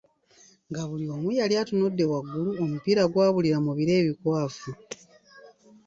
Nga buli omu yali atunudde waggulu, omupiira gwabuulira mu bire ebikwafu.